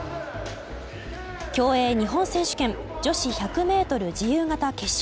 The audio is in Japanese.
競泳日本選手権女子１００ｍ自由形決勝。